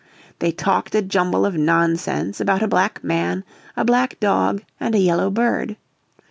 They talked a jumble of nonsense about a Black Man, a black dog and a yellow bird.